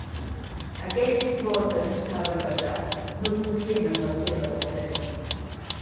Aquells qui porten un sabre pesat, no confien en la seva destresa.